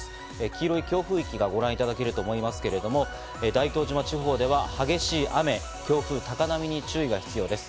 黄色い強風域がご覧いただけると思いますが、大東島地方では激しい雨、強風、高波に注意が必要です。